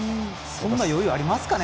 そんな余裕ありますかね。